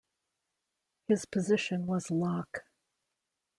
His position was lock.